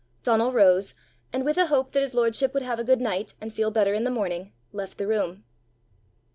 Donal rose, and with a hope that his lordship would have a good night and feel better in the morning, left the room.